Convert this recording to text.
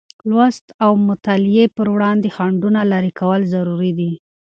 لوست او مطالعې پر وړاندې خنډونه لېرې کول ضروري دی.